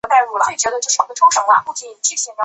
遭受地震无情的打击